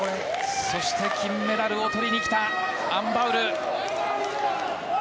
そして、金メダルをとりにきたアン・バウル。